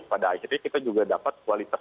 jadi pada akhirnya kita juga dapat kualitas